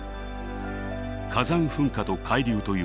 火山噴火と海流という一見